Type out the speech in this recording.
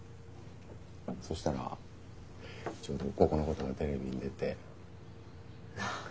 そしたらちょうどここのことがテレビに出て。